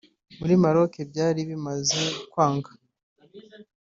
muri Maroc byari bimaze kwanga